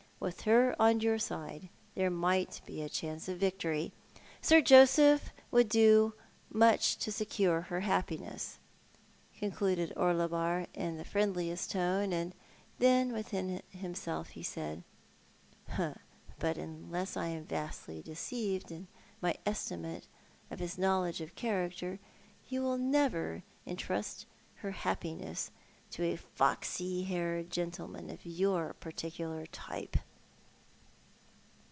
With her on your side there may be a chance of victory. Sir Joseph would do much to secure her happiness," concluded Orlebar in the friendliest tone, and then within himself he said, " But unless I am vastly deceived in my estimate of his knowledge of character, he will never entrust her happiness to a foxy haired gentleman of your particular type."